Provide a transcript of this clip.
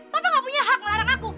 bapak gak punya hak melarang aku